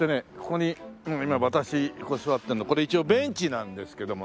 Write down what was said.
ここに今私座ってるのこれ一応ベンチなんですけどもね。